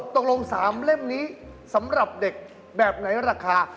ตกลง๓เล่มนี้สำหรับเด็กแบบไหนราคา